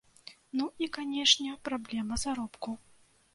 Ну і, канешне, праблема заробку.